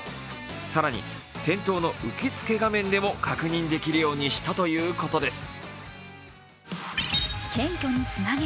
更に、店頭の受付画面でも確認できるようにしたということです。